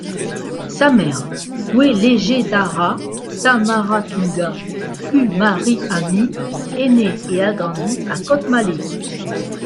Sa mère, Welegedara Samaratunga Kumarihamy, est né et a grandi à Kotmale.